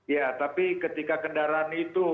ya tapi ketika kendaraan itu